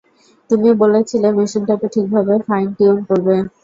তুমি বলেছিলে, মেশিনটাকে ঠিকভাবে ফাইন-টিউন করবে।